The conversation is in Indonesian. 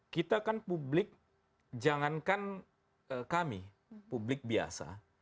kita kan publik jangankan kami publik biasa